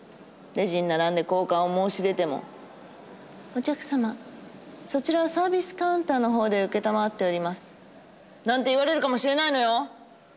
レジに並んで交換を申し出ても「お客様そちらはサービスカウンターの方で承っております」なんて言われるかもしれないのよ！